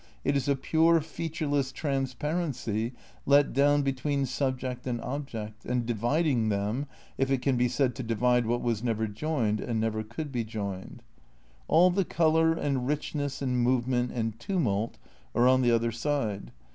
It is a pure, featureless transparency let down between subject and object, and dividing them, if it can be said to divide what was never joined and never could be joined. All the colour and richness and movement and tumult are on the other side.